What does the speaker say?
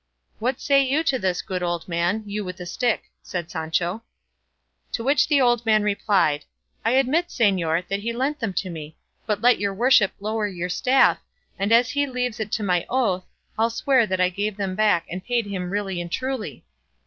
"What say you to this, good old man, you with the stick?" said Sancho. To which the old man replied, "I admit, señor, that he lent them to me; but let your worship lower your staff, and as he leaves it to my oath, I'll swear that I gave them back, and paid him really and truly."